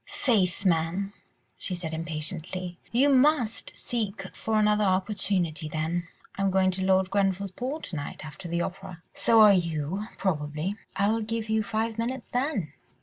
"Faith, man!" she said impatiently, "you must seek for another opportunity then. I am going to Lord Grenville's ball to night after the opera. So are you, probably. I'll give you five minutes then.